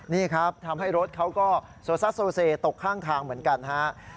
นี่ครับทำให้รถเขาก็โซซัสโซเซตกข้างทางเหมือนกันครับ